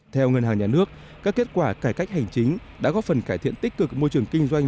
theo ngân hàng nhà nước các kết quả cải cách hành chính đã góp phần cải thiện tích cực môi trường kinh doanh